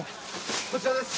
こちらです。